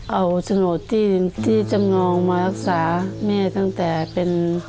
เอาสโนตรที่จำนองมารักษาแม่